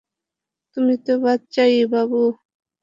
তুমি তো বাচ্চাই, বাবু।